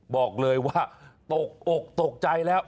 บอกเลยว่าโต๊กโต๊กใจแล้ว